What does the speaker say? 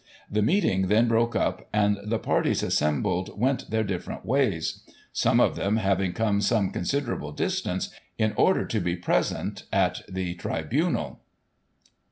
The meeting then broke up, and the parties assembled went their different ways; some of them having come some considerable distance, in order to be present at the tribunal."